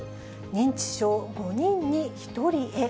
認知症５人に１人へ。